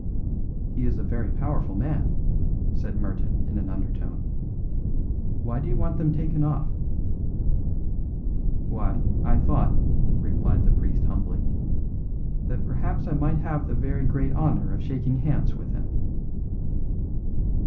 "He is a very powerful man," said Merton in an undertone. "Why do you want them taken off?" "Why, I thought," replied the priest humbly, "that perhaps I might have the very great honour of shaking hands with him."